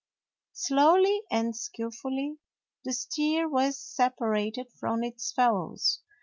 Slowly and skilfully the steer was sep arated from its fellows.